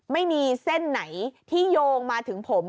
ไม่มีเส้นไหนที่โยงมาถึงผม